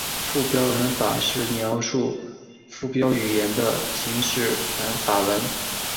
附标文法是描述附标语言的形式文法。